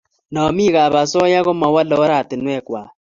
namik ap osoya komawalei oratinwek kwai